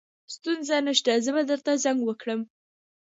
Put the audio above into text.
ستونزه نشته زه به درته زنګ وکړم